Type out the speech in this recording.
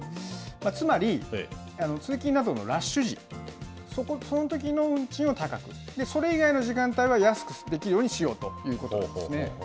つまり通勤などのラッシュ時、そのときの運賃を高く、それ以外の時間帯は安くできるようにしようということなんですね。